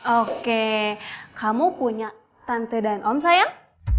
oke kamu punya tante dan om sayang